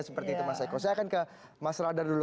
seperti itu mas eko saya akan ke mas radar dulu